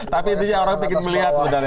tapi intinya orang ingin melihat sebenarnya